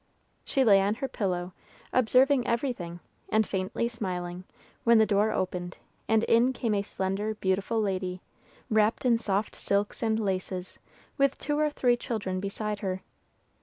She lay on her pillow, observing everything, and faintly smiling, when the door opened, and in came a slender, beautiful lady, wrapped in soft silks and laces, with two or three children beside her.